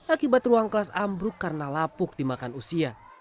akibat ruang kelas ambruk karena lapuk dimakan usia